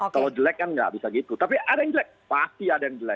kalau jelek kan nggak bisa gitu tapi ada yang jelek pasti ada yang jelek